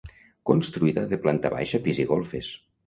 Construïda de planta baixa, pis, i golfes.